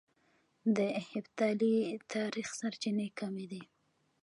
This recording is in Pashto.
د هېپتالي تاريخ سرچينې کمې دي